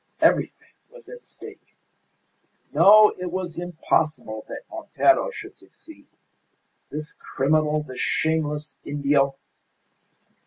Everything was at stake. ... No! It was impossible that Montero should succeed! This criminal, this shameless Indio!